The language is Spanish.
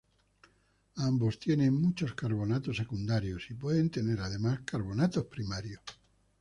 Ambos tienen muchos carbonatos secundarios y pueden tener además carbonatos primarios.